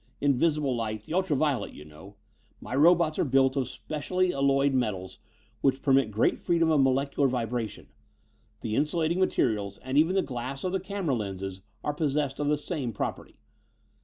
Invisible light; the ultra violet, you know. My robots are built of specially alloyed metals which permit great freedom of molecular vibration. The insulating materials and even the glass of the camera lenses are possessed of the same property.